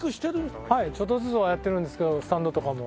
はいちょっとずつはやってるんですけどスタンドとかも。